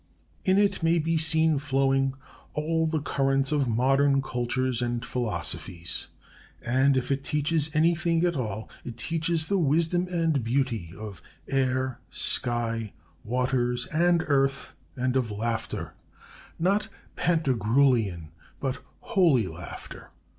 In it may be seen flowing all the currents of modern cultures and philosophies, and, if it teaches anything at all, it teaches the wisdom and beauty of air, sky, waters, and earth, and of laughter, not Pantagruelian, but 'holy laughter.'